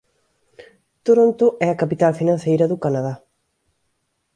Toronto é a capital financeira do Canadá.